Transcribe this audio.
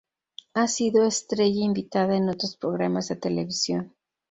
Ha sido estrella invitada en otros programas de televisión.